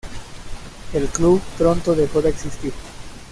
El club pronto dejó de existir.